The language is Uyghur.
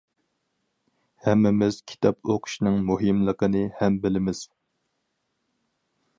ھەممىمىز كىتاب ئوقۇشنىڭ مۇھىملىقىنى ھەم بىلىمىز.